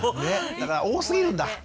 だから多すぎるんだ。